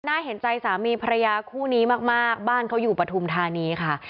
น่าเห็นใจสามีภรรยาคู่นี้มากบ้านเขาอยู่ปฐุมธานีค่ะ